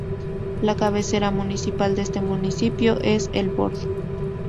La cabecera municipal de este municipio es El Bordo.